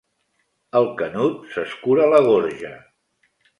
El Canut s'escura la gorja.